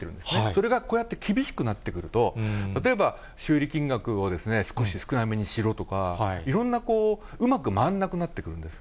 それがこうやって厳しくなってくると、例えば修理金額を少し少なめにしろとか、いろんなこう、うまく回んなくなってくるんです。